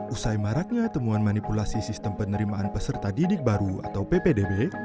usai maraknya temuan manipulasi sistem penerimaan peserta didik baru atau ppdb